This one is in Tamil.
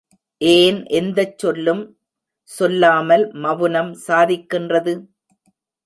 ஏன் எந்தச் சொல்லும் சொல்லாமல் மவுனம் சாதிக்கின்றது?